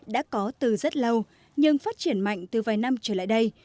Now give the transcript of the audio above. đã có từ rất lâu nhưng phát triển mạnh từ vài năm trở lại đây